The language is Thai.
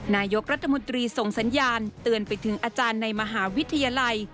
นายกรัฐมนตรีส่งสัญญาณเตือนไปถึงอาจารย์ในมหาวิทยาลัย